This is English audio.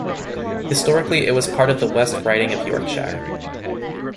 Historically it was part of the West Riding of Yorkshire.